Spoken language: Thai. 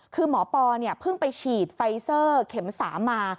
คือหมอปอเพิ่งไปฉีดไฟเซอร์เข็ม๓มา